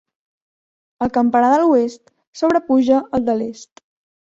El campanar de l'oest sobrepuja el de l'est.